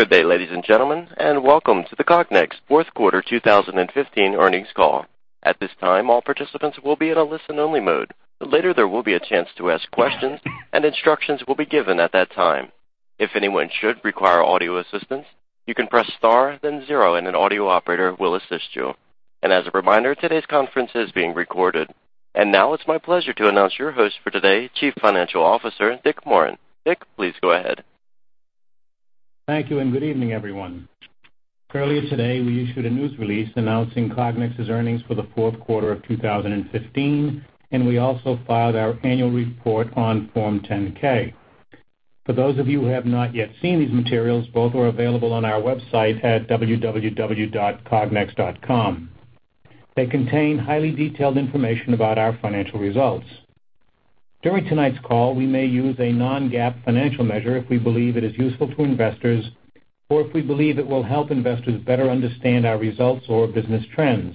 Good day, ladies and gentlemen, and welcome to the Cognex fourth quarter 2015 earnings call. At this time, all participants will be in a listen-only mode. But later, there will be a chance to ask questions, and instructions will be given at that time. If anyone should require audio assistance, you can press Star, then zero, and an audio operator will assist you. And as a reminder, today's conference is being recorded. And now it's my pleasure to announce your host for today, Chief Financial Officer, Richard Morin. Dick, please go ahead. Thank you, and good evening, everyone. Earlier today, we issued a news release announcing Cognex's earnings for the fourth quarter of 2015, and we also filed our annual report on Form 10-K. For those of you who have not yet seen these materials, both are available on our website at www.cognex.com. They contain highly detailed information about our financial results. During tonight's call, we may use a non-GAAP financial measure if we believe it is useful to investors or if we believe it will help investors better understand our results or business trends.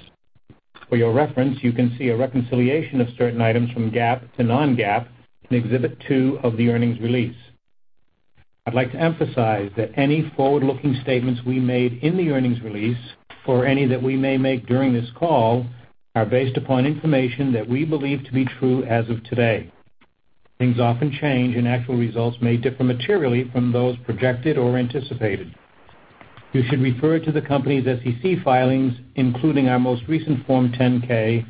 For your reference, you can see a reconciliation of certain items from GAAP to non-GAAP in Exhibit 2 of the earnings release. I'd like to emphasize that any forward-looking statements we made in the earnings release or any that we may make during this call, are based upon information that we believe to be true as of today. Things often change, and actual results may differ materially from those projected or anticipated. You should refer to the company's SEC filings, including our most recent Form 10-K,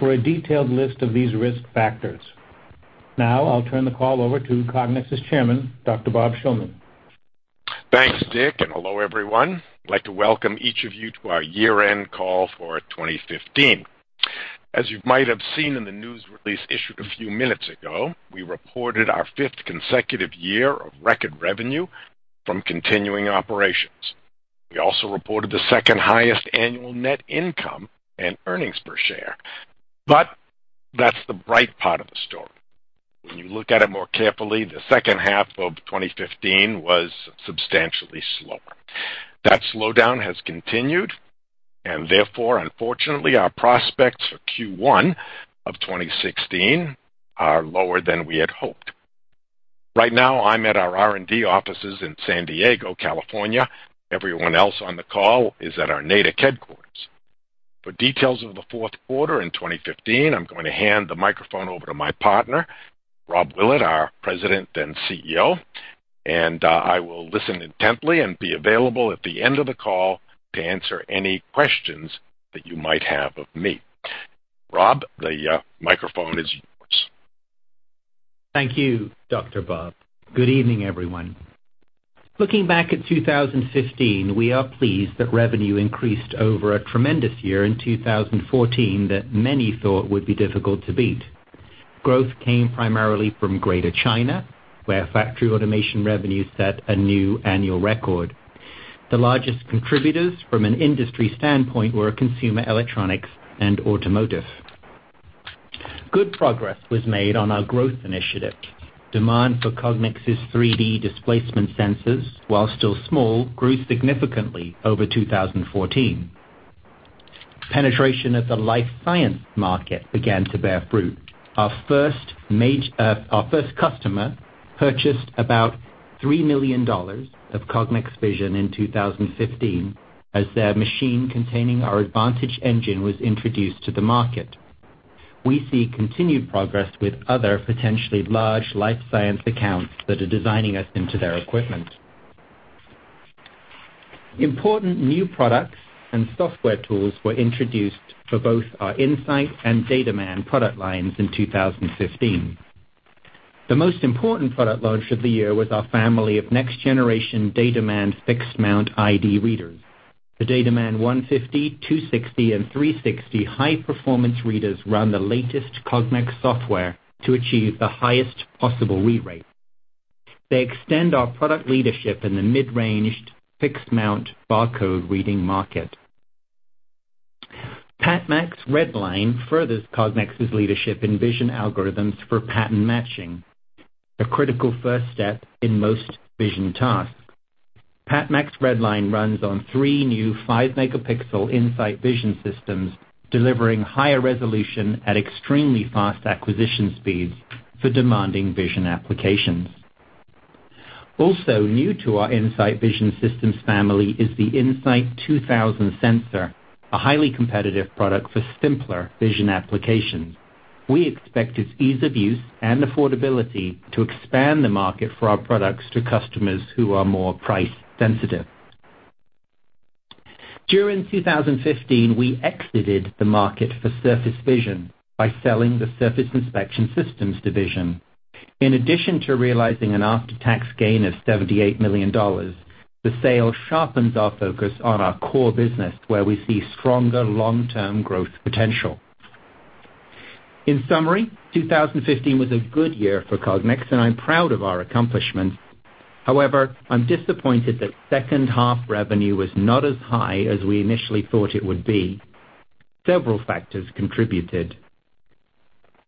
for a detailed list of these risk factors. Now I'll turn the call over to Cognex's chairman, Dr. Bob Shillman. Thanks, Dick, and hello, everyone. I'd like to welcome each of you to our year-end call for 2015. As you might have seen in the news release issued a few minutes ago, we reported our fifth consecutive year of record revenue from continuing operations. We also reported the second highest annual net income and earnings per share. But that's the bright part of the story. When you look at it more carefully, the second half of 2015 was substantially slower. That slowdown has continued, and therefore, unfortunately, our prospects for Q1 of 2016 are lower than we had hoped. Right now, I'm at our R&D offices in San Diego, California. Everyone else on the call is at our Natick headquarters. For details of the fourth quarter in 2015, I'm going to hand the microphone over to my partner, Rob Willett, our President and CEO, and I will listen intently and be available at the end of the call to answer any questions that you might have of me. Rob, the microphone is yours. Thank you, Dr. Bob. Good evening, everyone. Looking back at 2015, we are pleased that revenue increased over a tremendous year in 2014, that many thought would be difficult to beat. Growth came primarily from Greater China, where factory automation revenues set a new annual record. The largest contributors from an industry standpoint were consumer electronics and automotive. Good progress was made on our growth initiative. Demand for Cognex's 3D displacement sensors, while still small, grew significantly over 2014. Penetration of the life science market began to bear fruit. Our first customer purchased about $3 million of Cognex vision in 2015, as their machine containing our Advantage engine was introduced to the market. We see continued progress with other potentially large life science accounts that are designing us into their equipment. Important new products and software tools were introduced for both our In-Sight and DataMan product lines in 2015. The most important product launch of the year was our family of next-generation DataMan fixed-mount ID readers. The DataMan 150, 260, and 360 high-performance readers run the latest Cognex software to achieve the highest possible read rate. They extend our product leadership in the mid-range fixed-mount barcode reading market. PatMax RedLine furthers Cognex's leadership in vision algorithms for pattern matching, a critical first step in most vision tasks. PatMax RedLine runs on three new 5-megapixel In-Sight vision systems, delivering higher resolution at extremely fast acquisition speeds for demanding vision applications. Also new to our In-Sight vision systems family is the In-Sight 2000 sensor, a highly competitive product for simpler vision applications. We expect its ease of use and affordability to expand the market for our products to customers who are more price sensitive. During 2015, we exited the market for surface vision by selling the Surface Inspection Systems Division. In addition to realizing an after-tax gain of $78 million, the sale sharpens our focus on our core business, where we see stronger long-term growth potential. In summary, 2015 was a good year for Cognex, and I'm proud of our accomplishments. However, I'm disappointed that second half revenue was not as high as we initially thought it would be. Several factors contributed.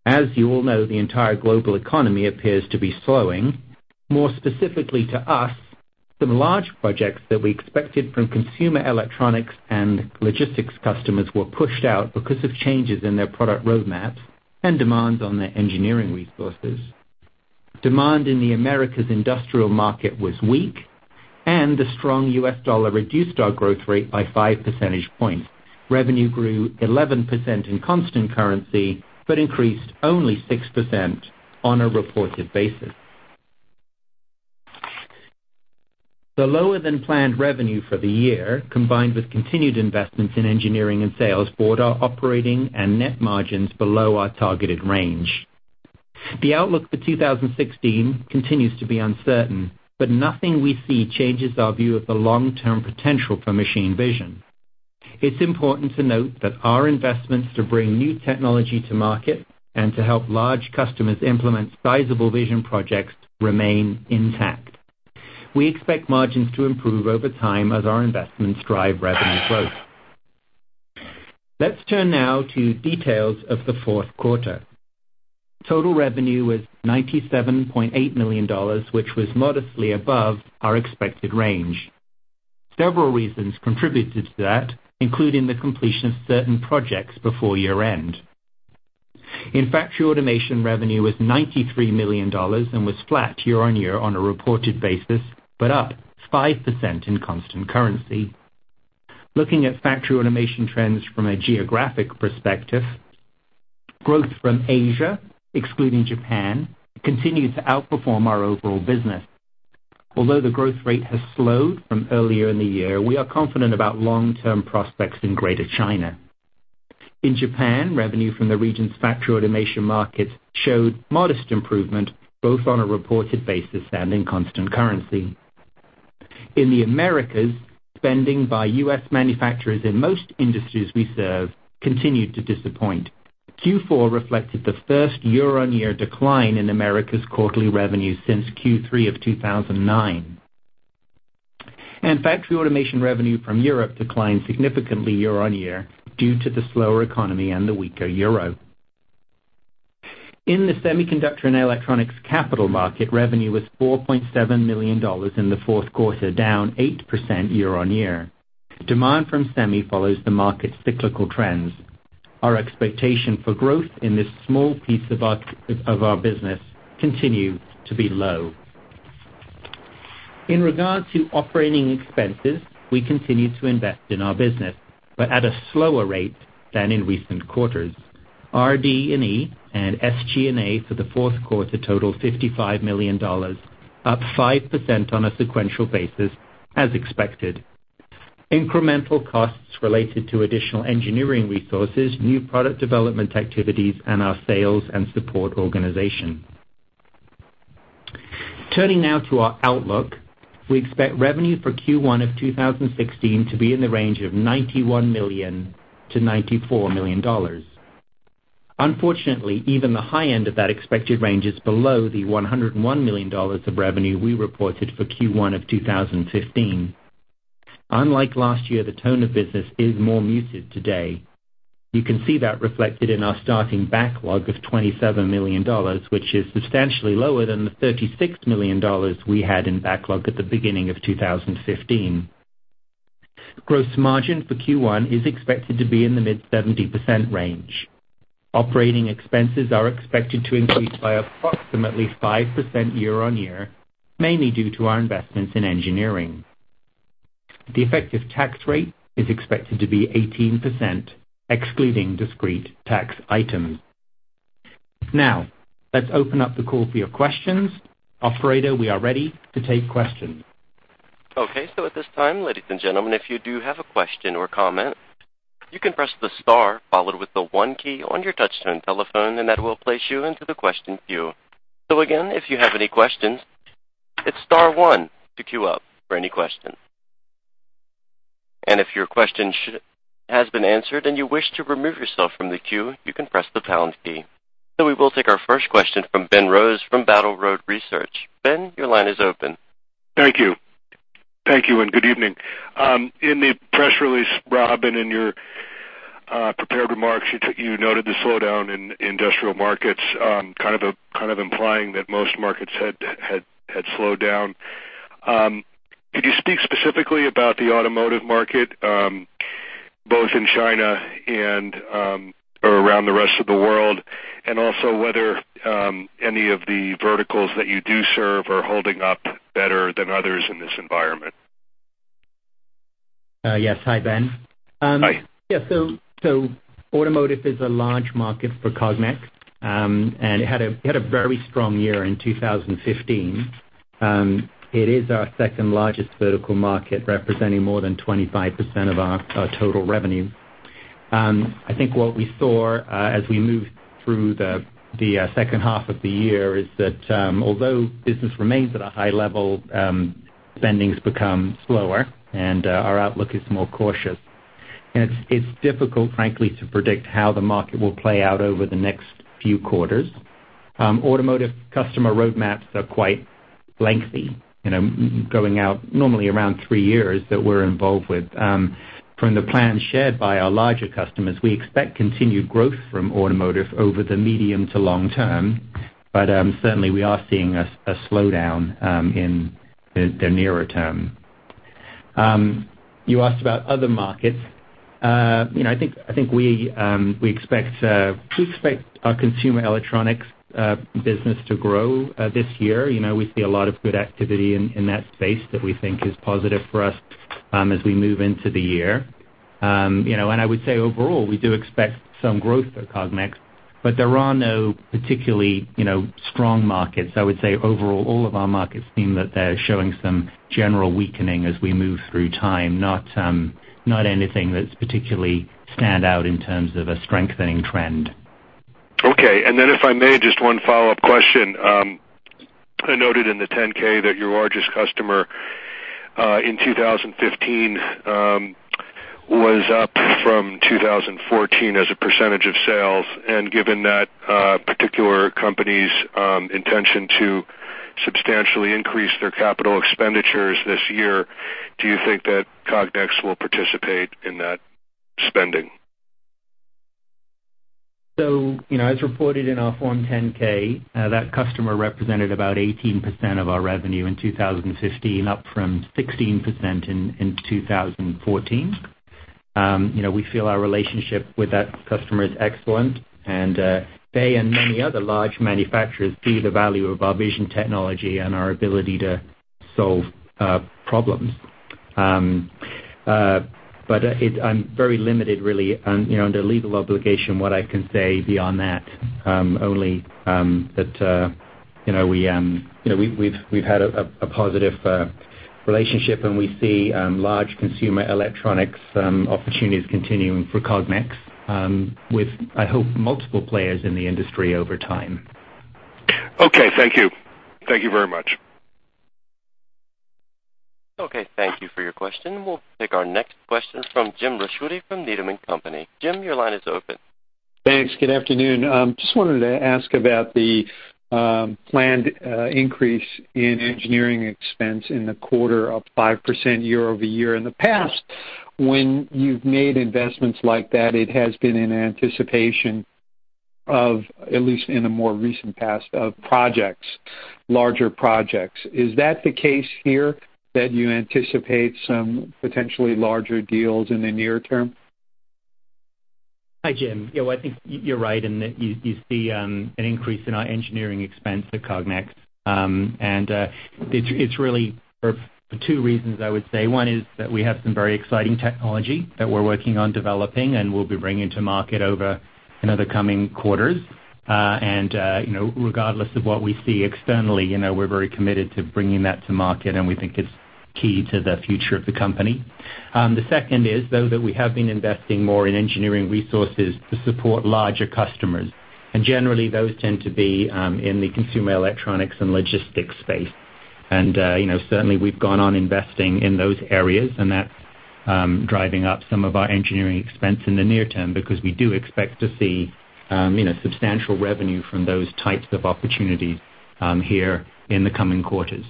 As you all know, the entire global economy appears to be slowing. More specifically to us, some large projects that we expected from consumer electronics and logistics customers were pushed out because of changes in their product roadmap... and demands on their engineering resources. Demand in the Americas industrial market was weak, and the strong US dollar reduced our growth rate by 5 percentage points. Revenue grew 11% in constant currency, but increased only 6% on a reported basis. The lower than planned revenue for the year, combined with continued investments in engineering and sales, brought our operating and net margins below our targeted range. The outlook for 2016 continues to be uncertain, but nothing we see changes our view of the long-term potential for machine vision. It's important to note that our investments to bring new technology to market and to help large customers implement sizable vision projects remain intact. We expect margins to improve over time as our investments drive revenue growth. Let's turn now to details of the fourth quarter. Total revenue was $97.8 million, which was modestly above our expected range. Several reasons contributed to that, including the completion of certain projects before year-end. In factory automation, revenue was $93 million and was flat year-on-year on a reported basis, but up 5% in constant currency. Looking at factory automation trends from a geographic perspective, growth from Asia, excluding Japan, continued to outperform our overall business. Although the growth rate has slowed from earlier in the year, we are confident about long-term prospects in Greater China. In Japan, revenue from the region's factory automation markets showed modest improvement, both on a reported basis and in constant currency. In the Americas, spending by US manufacturers in most industries we serve continued to disappoint. Q4 reflected the first year-on-year decline in Americas' quarterly revenue since Q3 of 2009. Factory automation revenue from Europe declined significantly year-on-year due to the slower economy and the weaker euro. In the semiconductor and electronics capital market, revenue was $4.7 million in the fourth quarter, down 8% year-on-year. Demand from semi follows the market's cyclical trends. Our expectation for growth in this small piece of our business continues to be low. In regards to operating expenses, we continue to invest in our business, but at a slower rate than in recent quarters. RD&E and SG&A for the fourth quarter totaled $55 million, up 5% on a sequential basis, as expected. Incremental costs related to additional engineering resources, new product development activities, and our sales and support organization. Turning now to our outlook. We expect revenue for Q1 of 2016 to be in the range of $91 million to $94 million. Unfortunately, even the high end of that expected range is below the $101 million of revenue we reported for Q1 of 2015. Unlike last year, the tone of business is more muted today. You can see that reflected in our starting backlog of $27 million, which is substantially lower than the $36 million we had in backlog at the beginning of 2015. Gross margin for Q1 is expected to be in the mid-70% range. Operating expenses are expected to increase by approximately 5% year-on-year, mainly due to our investments in engineering. The effective tax rate is expected to be 18%, excluding discrete tax items. Now, let's open up the call for your questions. Operator, we are ready to take questions. Okay. So at this time, ladies and gentlemen, if you do have a question or comment, you can press the star followed with the one key on your touchtone telephone, and that will place you into the question queue. So again, if you have any questions, it's star one to queue up for any questions. And if your question has been answered and you wish to remove yourself from the queue, you can press the pound key. So we will take our first question from Ben Rose from Battle Road Research. Ben, your line is open. Thank you. Thank you, and good evening. In the press release, Rob, in your prepared remarks, you noted the slowdown in industrial markets, kind of implying that most markets had slowed down. Could you speak specifically about the automotive market, both in China and or around the rest of the world, and also whether any of the verticals that you do serve are holding up better than others in this environment? Yes. Hi, Ben. Hi. Yeah. So, automotive is a large market for Cognex, and it had a very strong year in 2015. It is our second largest vertical market, representing more than 25% of our total revenue. I think what we saw, as we moved through the second half of the year, is that, although business remains at a high level, spendings become slower and our outlook is more cautious. And it's difficult, frankly, to predict how the market will play out over the next few quarters. Automotive customer roadmaps are quite lengthy, you know, going out normally around three years, that we're involved with. From the plan shared by our larger customers, we expect continued growth from automotive over the medium to long term, but certainly we are seeing a slowdown in the nearer term. You asked about other markets. You know, I think we expect our consumer electronics business to grow this year. You know, we see a lot of good activity in that space that we think is positive for us as we move into the year. You know, and I would say overall, we do expect some growth for Cognex, but there are no particularly strong markets. I would say overall, all of our markets seem that they're showing some general weakening as we move through time, not, not anything that's particularly stand out in terms of a strengthening trend. Okay. And then if I may, just one follow-up question. I noted in the 10-K that your largest customer, in 2015, was up from 2014 as a percentage of sales, and given that particular company's intention to substantially increase their capital expenditures this year, do you think that Cognex will participate in that spending? So, you know, as reported in our Form 10-K, that customer represented about 18% of our revenue in 2015, up from 16% in 2014. You know, we feel our relationship with that customer is excellent, and they and many other large manufacturers see the value of our vision technology and our ability to solve problems. I'm very limited, really, you know, under legal obligation, what I can say beyond that, only that, you know, we, you know, we've had a positive relationship, and we see large consumer electronics opportunities continuing for Cognex, with, I hope, multiple players in the industry over time. Okay, thank you. Thank you very much. Okay, thank you for your question. We'll take our next question from Jim Ricchiuti from Needham & Company. Jim, your line is open. Thanks. Good afternoon. Just wanted to ask about the planned increase in engineering expense in the quarter of 5% year-over-year. In the past, when you've made investments like that, it has been in anticipation of, at least in the more recent past, of projects, larger projects. Is that the case here, that you anticipate some potentially larger deals in the near term? Hi, Jim. You know, I think you're right in that you see an increase in our engineering expense at Cognex. It's really for two reasons, I would say. One is that we have some very exciting technology that we're working on developing and we'll be bringing to market over, you know, the coming quarters. You know, regardless of what we see externally, you know, we're very committed to bringing that to market, and we think it's key to the future of the company. The second is, though, that we have been investing more in engineering resources to support larger customers, and generally, those tend to be in the consumer electronics and logistics space. You know, certainly we've gone on investing in those areas, and that's driving up some of our engineering expense in the near term, because we do expect to see you know, substantial revenue from those types of opportunities here in the coming quarters.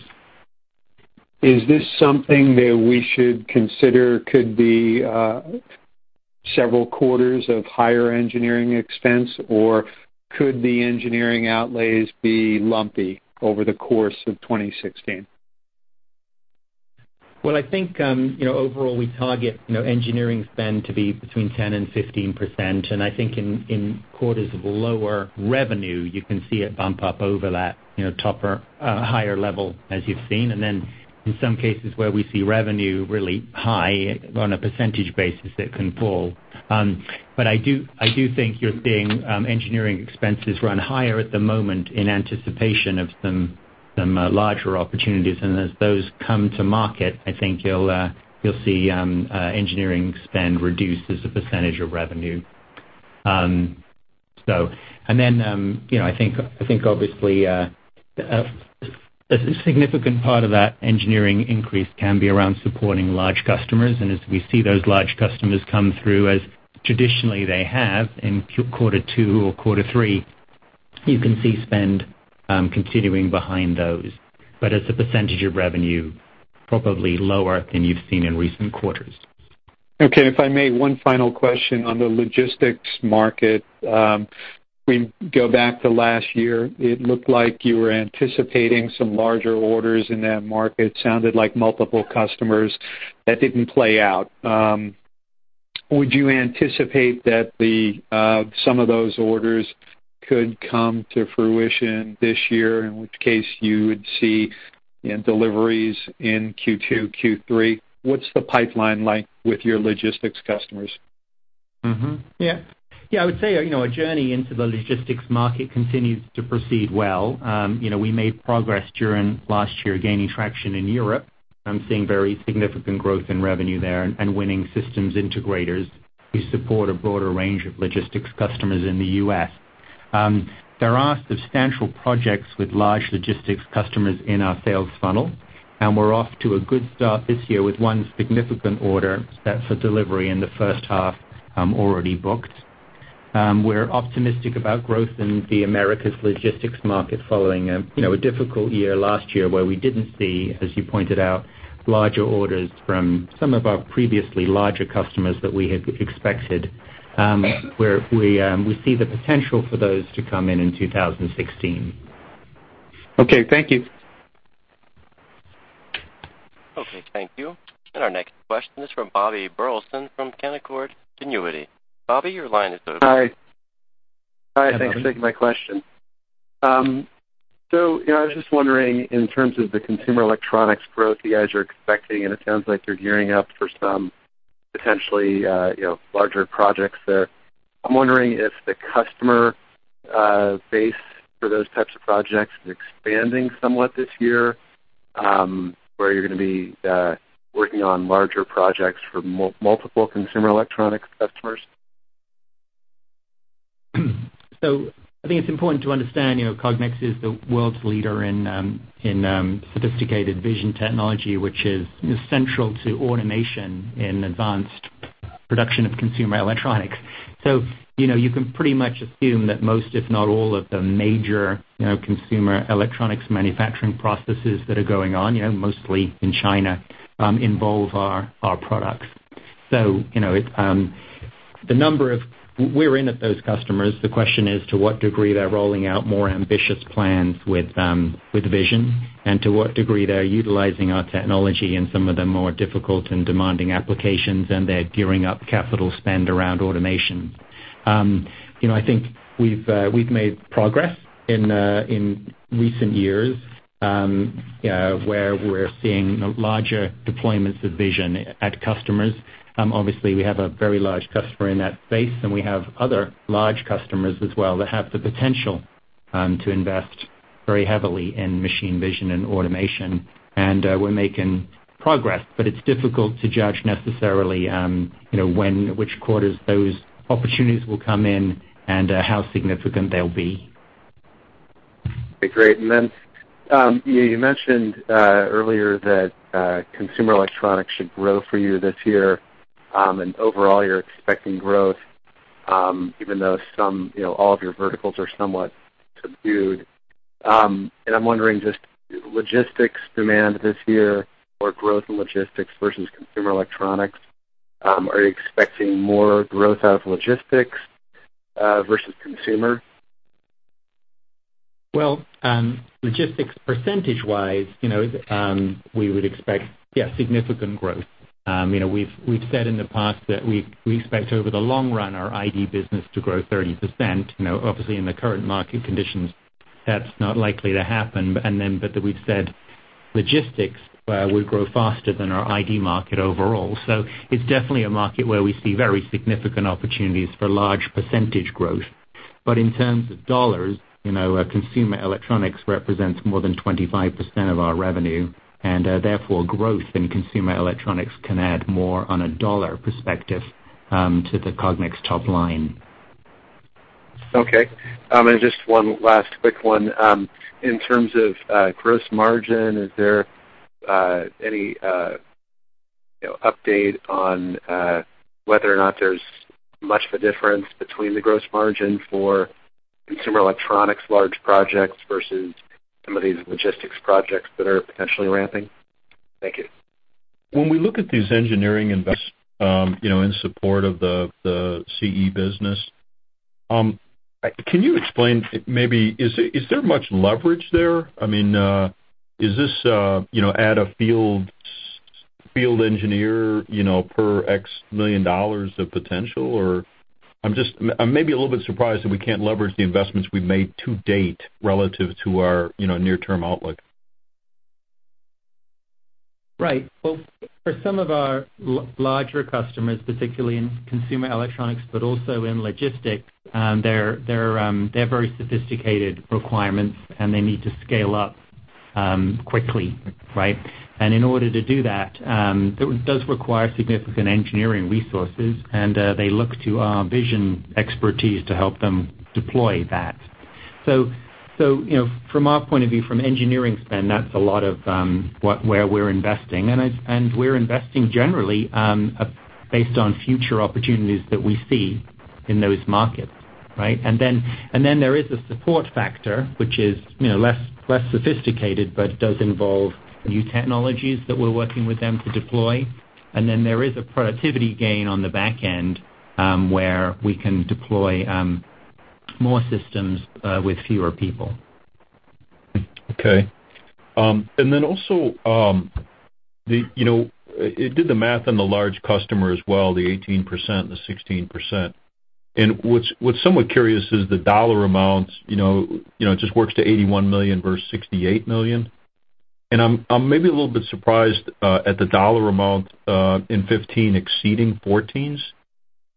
Is this something that we should consider could be several quarters of higher engineering expense, or could the engineering outlays be lumpy over the course of 2016? Well, I think, you know, overall, we target, you know, engineering spend to be between 10% and 15%, and I think in quarters of lower revenue, you can see it bump up over that, you know, upper higher level, as you've seen. And then in some cases where we see revenue really high on a percentage basis, it can fall. But I do, I do think you're seeing engineering expenses run higher at the moment in anticipation of some larger opportunities. And as those come to market, I think you'll see engineering spend reduce as a percentage of revenue. And then, you know, I think, I think obviously a significant part of that engineering increase can be around supporting large customers. As we see those large customers come through, as traditionally they have in quarter two or quarter three, you can see spend continuing behind those, but as a percentage of revenue, probably lower than you've seen in recent quarters. Okay. If I may, one final question on the logistics market. We go back to last year, it looked like you were anticipating some larger orders in that market. Sounded like multiple customers. That didn't play out. Would you anticipate that the some of those orders could come to fruition this year, in which case you would see in deliveries in Q2, Q3? What's the pipeline like with your logistics customers? Mm-hmm. Yeah. Yeah, I would say, you know, our journey into the logistics market continues to proceed well. You know, we made progress during last year, gaining traction in Europe. I'm seeing very significant growth in revenue there and winning systems integrators. We support a broader range of logistics customers in the US. There are substantial projects with large logistics customers in our sales funnel, and we're off to a good start this year with one significant order set for delivery in the first half, already booked. We're optimistic about growth in the Americas logistics market, following, you know, a difficult year last year, where we didn't see, as you pointed out, larger orders from some of our previously larger customers that we had expected. Where we see the potential for those to come in in 2016.... Okay, thank you. Okay, thank you. Our next question is from Bobby Burleson from Canaccord Genuity. Bobby, your line is open. Hi. Hi, thanks for taking my question. So, you know, I was just wondering, in terms of the consumer electronics growth you guys are expecting, and it sounds like you're gearing up for some potentially, you know, larger projects there. I'm wondering if the customer base for those types of projects is expanding somewhat this year, where you're gonna be working on larger projects for multiple consumer electronic customers? So I think it's important to understand, you know, Cognex is the world's leader in sophisticated vision technology, which is central to automation in advanced production of consumer electronics. So, you know, you can pretty much assume that most, if not all, of the major, you know, consumer electronics manufacturing processes that are going on, you know, mostly in China, involve our products. So, you know, we're in at those customers, the question is, to what degree they're rolling out more ambitious plans with vision, and to what degree they're utilizing our technology in some of the more difficult and demanding applications, and they're gearing up capital spend around automation. You know, I think we've made progress in recent years, where we're seeing larger deployments of vision at customers. Obviously, we have a very large customer in that space, and we have other large customers as well that have the potential to invest very heavily in machine vision and automation. We're making progress, but it's difficult to judge necessarily, you know, when, which quarters those opportunities will come in and, how significant they'll be. Okay, great. And then you mentioned earlier that consumer electronics should grow for you this year, and overall, you're expecting growth, even though some, you know, all of your verticals are somewhat subdued. I'm wondering, just logistics demand this year or growth in logistics versus consumer electronics, are you expecting more growth out of logistics versus consumer? Well, logistics, percentage-wise, you know, we would expect, yeah, significant growth. You know, we've said in the past that we expect over the long run, our ID business to grow 30%. You know, obviously, in the current market conditions, that's not likely to happen. But we've said logistics will grow faster than our ID market overall. So it's definitely a market where we see very significant opportunities for large percentage growth. But in terms of dollars, you know, consumer electronics represents more than 25% of our revenue, and therefore, growth in consumer electronics can add more on a dollar perspective to the Cognex top line. Okay. And just one last quick one. In terms of gross margin, is there any you know update on whether or not there's much of a difference between the gross margin for consumer electronics, large projects versus some of these logistics projects that are potentially ramping? Thank you. When we look at these engineering investments, you know, in support of the CE business, can you explain maybe, is there much leverage there? I mean, is this, you know, add a field engineer, you know, per $X million of potential, or? I'm just maybe a little bit surprised that we can't leverage the investments we've made to date relative to our, you know, near-term outlook. Right. Well, for some of our larger customers, particularly in consumer electronics, but also in logistics, their very sophisticated requirements, and they need to scale up quickly, right? And in order to do that, it does require significant engineering resources, and they look to our vision expertise to help them deploy that. So, you know, from our point of view, from engineering spend, that's a lot of where we're investing. And we're investing generally based on future opportunities that we see in those markets, right? And then there is a support factor, which is, you know, less sophisticated, but does involve new technologies that we're working with them to deploy. And then there is a productivity gain on the back end, where we can deploy more systems with fewer people. Okay. And then also, the, you know, I did the math on the large customer as well, the 18% and the 16%. And what's somewhat curious is the dollar amounts, you know, you know, it just works to $81 million versus $68 million. And I'm maybe a little bit surprised at the dollar amount in 2015 exceeding 2014's.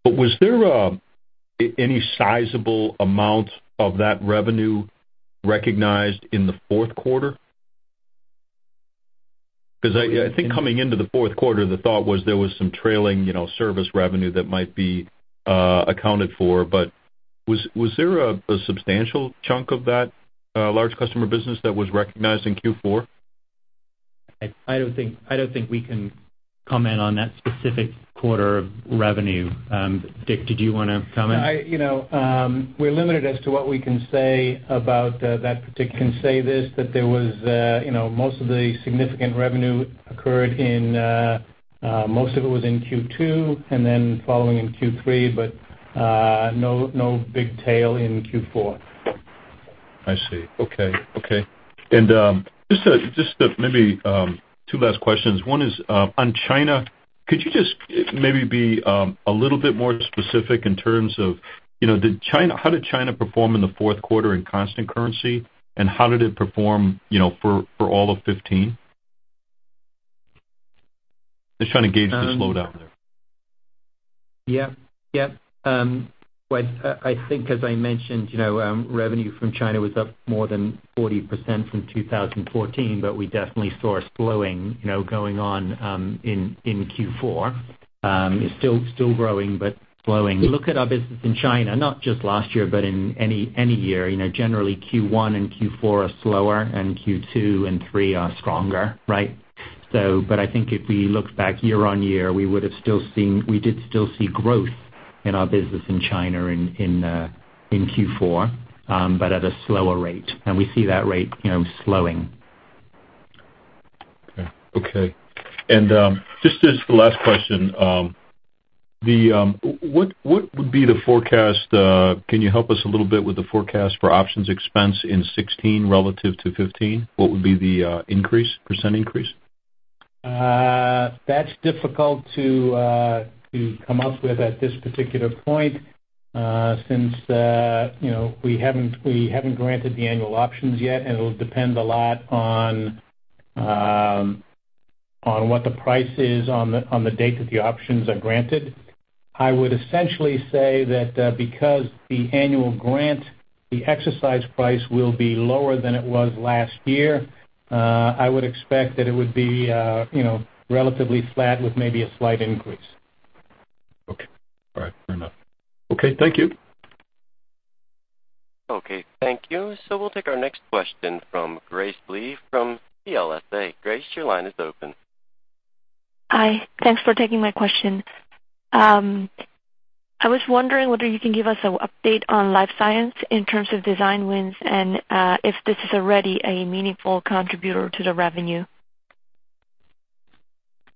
But was there any sizable amount of that revenue recognized in the fourth quarter? Because I think coming into the fourth quarter, the thought was there was some trailing, you know, service revenue that might be accounted for. But was there a substantial chunk of that large customer business that was recognized in Q4? I, I don't think, I don't think we can comment on that specific quarter of revenue. Dick, did you wanna comment? I, you know, we're limited as to what we can say about that particular. I can say this, that there was, you know, most of the significant revenue occurred in,... most of it was in Q2, and then following in Q3, but, no, no big tail in Q4. I see. Okay, okay. And just maybe two last questions. One is on China. Could you just maybe be a little bit more specific in terms of, you know, how did China perform in the fourth quarter in constant currency? And how did it perform, you know, for all of 2015? Just trying to gauge the slowdown there. Yeah, yeah. Well, I, I think as I mentioned, you know, revenue from China was up more than 40% from 2014, but we definitely saw a slowing, you know, going on, in Q4. It's still, still growing, but slowing. If you look at our business in China, not just last year, but in any year, you know, generally Q1 and Q4 are slower, and Q2 and Q3 are stronger, right? So but I think if we look back year-on-year, we would have still seen - we did still see growth in our business in China in Q4, but at a slower rate. And we see that rate, you know, slowing. Okay. And just as the last question, what would be the forecast? Can you help us a little bit with the forecast for options expense in 2016 relative to 2015? What would be the increase, percent increase? That's difficult to come up with at this particular point, since, you know, we haven't granted the annual options yet, and it'll depend a lot on what the price is on the date that the options are granted. I would essentially say that because the annual grant, the exercise price will be lower than it was last year, I would expect that it would be, you know, relatively flat with maybe a slight increase. Okay. All right, fair enough. Okay, thank you. Okay, thank you. So we'll take our next question from Grace Lee from CLSA. Grace, your line is open. Hi, thanks for taking my question. I was wondering whether you can give us an update on life science in terms of design wins and, if this is already a meaningful contributor to the revenue.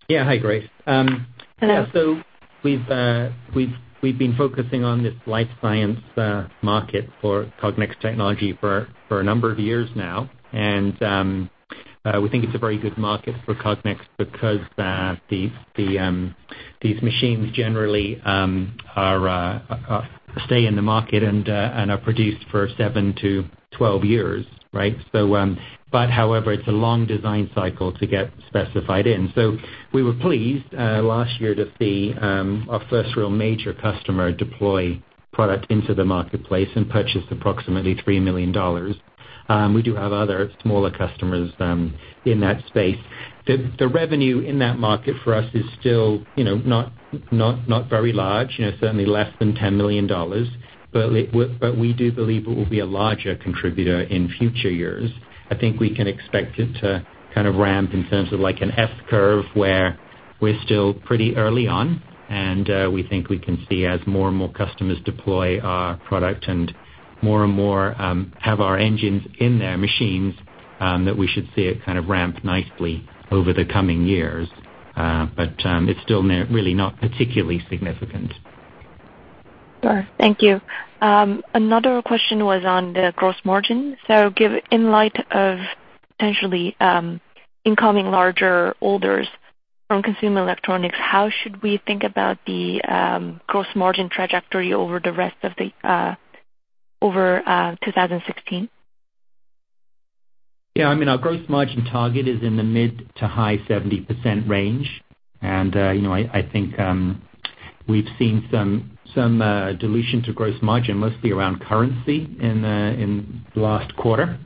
Yeah. Hi, Grace. Hello. So we've been focusing on this life science market for Cognex technology for a number of years now. And we think it's a very good market for Cognex because these machines generally stay in the market and are produced for 7 to 12 years, right? So but however, it's a long design cycle to get specified in. So we were pleased last year to see our first real major customer deploy product into the marketplace and purchase approximately $3 million. We do have other smaller customers in that space. The revenue in that market for us is still, you know, not very large, you know, certainly less than $10 million, but we do believe it will be a larger contributor in future years. I think we can expect it to kind of ramp in terms of like an S curve, where we're still pretty early on, and we think we can see as more and more customers deploy our product and more and more have our engines in their machines, that we should see it kind of ramp nicely over the coming years. But it's still really not particularly significant. Sure, thank you. Another question was on the gross margin. So, in light of potentially incoming larger orders from consumer electronics, how should we think about the gross margin trajectory over the rest of 2016? Yeah, I mean, our gross margin target is in the mid- to high-70% range. And, you know, I think we've seen some dilution to gross margin, mostly around currency in the last quarter.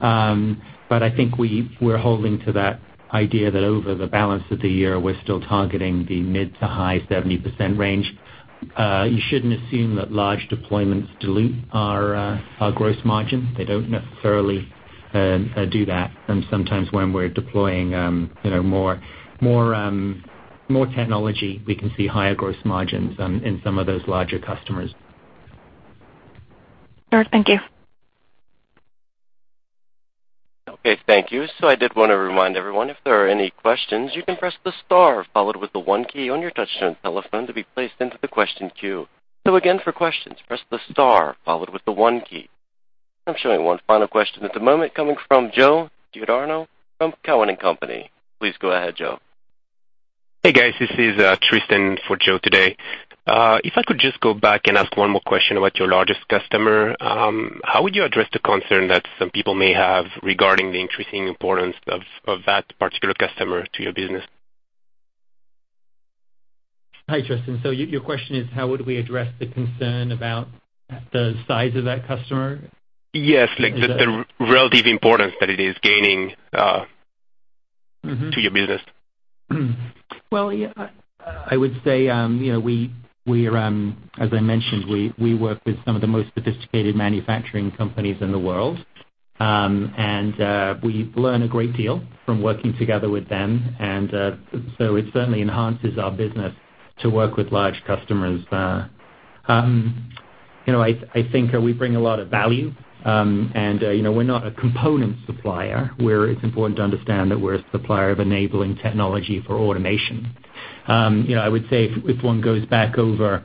But I think we're holding to that idea that over the balance of the year, we're still targeting the mid- to high-70% range. You shouldn't assume that large deployments dilute our gross margin. They don't necessarily do that. And sometimes when we're deploying, you know, more technology, we can see higher gross margins in some of those larger customers. Sure, thank you. Okay, thank you. So I did want to remind everyone, if there are any questions, you can press the star followed with the one key on your touchtone telephone to be placed into the question queue. So again, for questions, press the star followed with the one key. I'm showing one final question at the moment coming from Joe Giordano from Cowen and Company. Please go ahead, Joe. Hey, guys. This is Tristan for Joe today. If I could just go back and ask one more question about your largest customer, how would you address the concern that some people may have regarding the increasing importance of that particular customer to your business? Hi, Tristan. So your question is, how would we address the concern about the size of that customer? Yes, like the relative importance that it is gaining, Mm-hmm... to your business. Well, yeah, I would say, you know, as I mentioned, we work with some of the most sophisticated manufacturing companies in the world. We learn a great deal from working together with them, and so it certainly enhances our business to work with large customers. You know, I think we bring a lot of value, and, you know, we're not a component supplier, where it's important to understand that we're a supplier of enabling technology for automation. You know, I would say if one goes back over,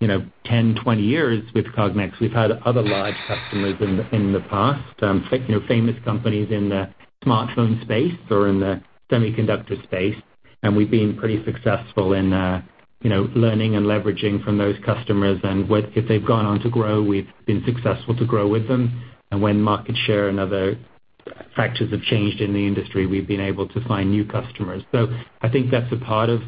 you know, 10, 20 years with Cognex, we've had other large customers in the past, like, you know, famous companies in the smartphone space or in the semiconductor space, and we've been pretty successful in, you know, learning and leveraging from those customers. And what if they've gone on to grow, we've been successful to grow with them, and when market share and other factors have changed in the industry, we've been able to find new customers. So I think that's a part of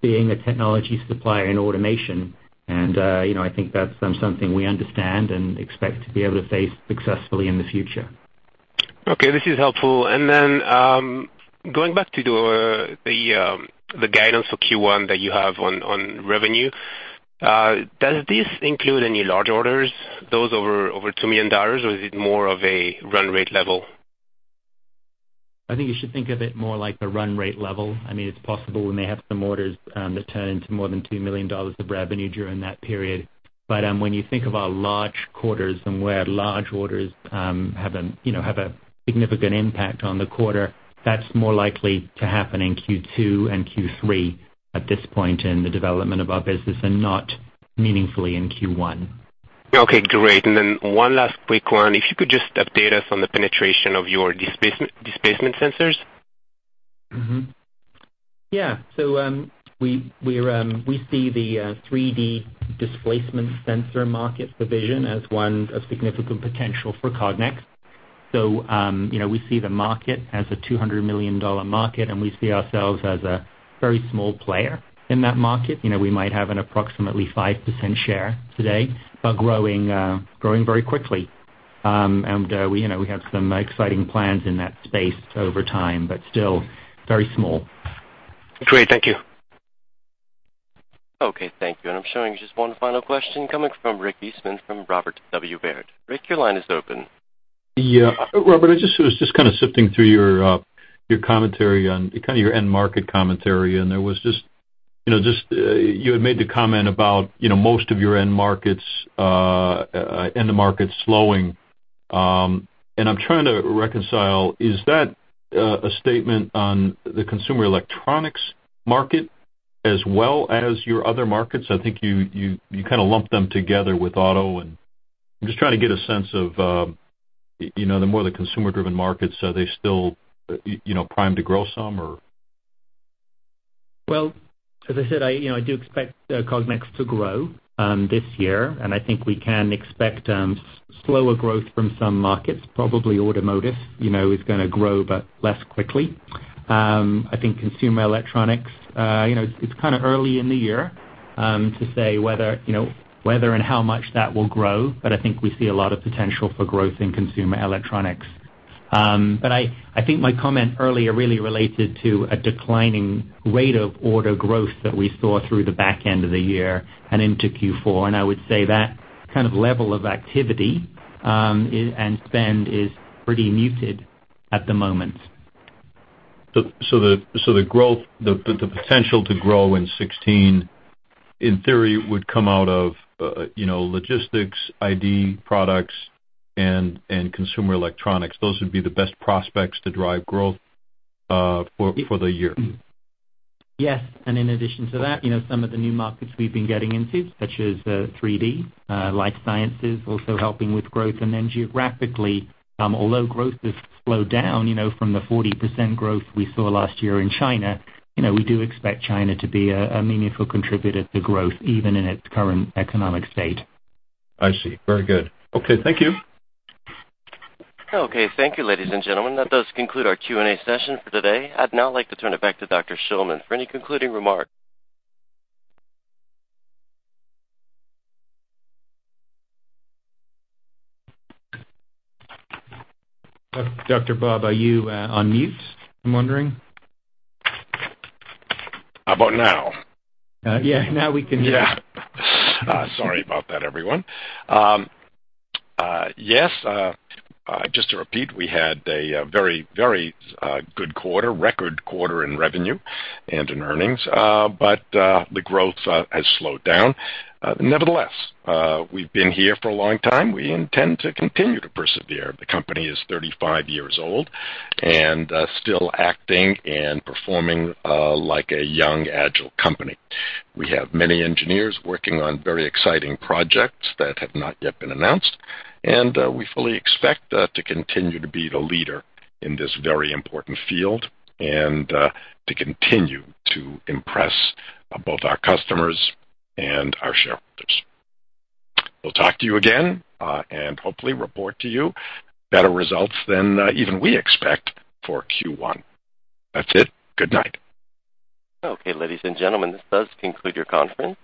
being a technology supplier in automation, and you know, I think that's something we understand and expect to be able to face successfully in the future. Okay, this is helpful. And then, going back to the guidance for Q1 that you have on revenue, does this include any large orders, those over $2 million, or is it more of a run rate level? I think you should think of it more like a run rate level. I mean, it's possible we may have some orders that turn into more than $2 million of revenue during that period. But when you think of our large quarters and where large orders have a, you know, have a significant impact on the quarter, that's more likely to happen in Q2 and Q3 at this point in the development of our business, and not meaningfully in Q1. Okay, great. And then one last quick one. If you could just update us on the penetration of your displacement sensors. Mm-hmm. Yeah. So, we see the 3D displacement sensor market division as one of significant potential for Cognex. So, you know, we see the market as a $200 million market, and we see ourselves as a very small player in that market. You know, we might have an approximately 5% share today, but growing very quickly. And, you know, we have some exciting plans in that space over time, but still very small. Great. Thank you. Okay, thank you. And I'm showing just one final question coming from Rick Eastman from Robert W. Baird. Rick, your line is open. Yeah. Robert, I just was just kind of sifting through your your commentary on, kind of your end market commentary, and there was just, you know, just you had made the comment about, you know, most of your end markets end markets slowing. And I'm trying to reconcile, is that a statement on the consumer electronics market as well as your other markets? I think you, you, you kind of lumped them together with auto, and I'm just trying to get a sense of, you know, the more the consumer-driven markets, are they still, you know, primed to grow some or? Well, as I said, I, you know, I do expect Cognex to grow this year, and I think we can expect slower growth from some markets. Probably automotive, you know, is gonna grow but less quickly. I think consumer electronics, you know, it's kind of early in the year to say whether, you know, whether and how much that will grow, but I think we see a lot of potential for growth in consumer electronics. But I, I think my comment earlier really related to a declining rate of order growth that we saw through the back end of the year and into Q4. And I would say that kind of level of activity and spend is pretty muted at the moment. So the growth, the potential to grow in 2016, in theory, would come out of, you know, logistics, ID products and consumer electronics. Those would be the best prospects to drive growth for the year? Yes, and in addition to that, you know, some of the new markets we've been getting into, such as, 3D, life sciences, also helping with growth. And then geographically, although growth has slowed down, you know, from the 40% growth we saw last year in China, you know, we do expect China to be a meaningful contributor to growth, even in its current economic state. I see. Very good. Okay, thank you. Okay, thank you, ladies and gentlemen, that does conclude our Q&A session for today. I'd now like to turn it back to Dr. Shillman for any concluding remarks. Dr. Bob, are you on mute? I'm wondering? How about now? Yeah, now we can hear you. Yeah. Sorry about that, everyone. Yes, just to repeat, we had a very, very good quarter, record quarter in revenue and in earnings. But the growth has slowed down. Nevertheless, we've been here for a long time. We intend to continue to persevere. The company is 35 years old and still acting and performing like a young, agile company. We have many engineers working on very exciting projects that have not yet been announced, and we fully expect to continue to be the leader in this very important field and to continue to impress both our customers and our shareholders. We'll talk to you again and hopefully report to you better results than even we expect for Q1. That's it. Good night. Okay, ladies and gentlemen, this does conclude your conference.